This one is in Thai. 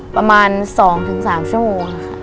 ประมาณ๒๓ชั่วโมงค่ะ